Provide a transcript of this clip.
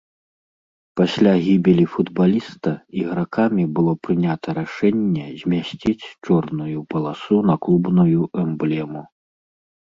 Пасля гібелі футбаліста ігракамі было прынята рашэнне змясціць чорную паласу на клубную эмблему.